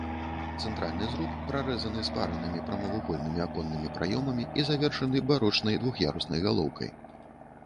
Цэнтральны зруб прарэзаны спаранымі прамавугольнымі аконнымі праёмамі і завершаны барочнай двух'яруснай галоўкай.